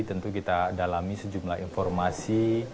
tentu kita dalami sejumlah informasi